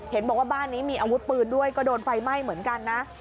เห็นบอกว่าบ้านนี้มีอาวุธปืนด้วยก็โดนไฟไหม้เหมือนกันนะ